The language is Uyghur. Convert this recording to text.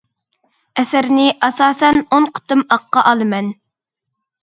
ئەسەرنى ئاساسەن ئون قېتىم ئاققا ئالىمەن.